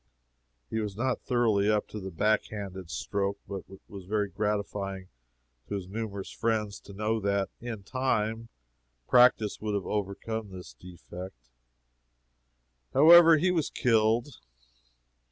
He was not thoroughly up in the backhanded stroke, but it was very gratifying to his numerous friends to know that, in time, practice would have overcome this defect. However, he was killed.